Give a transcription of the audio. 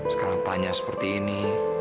sekarang tanya seperti ini